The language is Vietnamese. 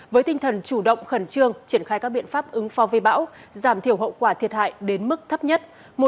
với tinh thần chủ động khẩn trương triển khai các biện pháp ứng phó với bão giảm thiểu hậu quả thiệt hại đến mức thấp nhất